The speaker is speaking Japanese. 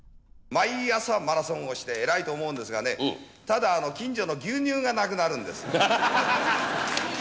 毎朝、マラソンをして偉いと思うんですがね、ただ、近所の牛乳がなくなるんです。